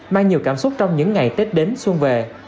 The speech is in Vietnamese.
mang nhiều cảm xúc trong những ngày tết đến xuân về